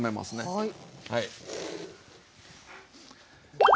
はい。